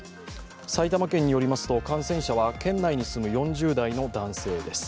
埼玉県によりますと、感染者は県内に住む４０代の男性です。